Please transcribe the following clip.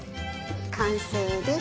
完成です。